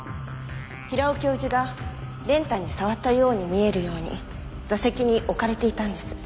平尾教授が練炭に触ったように見えるように座席に置かれていたんです。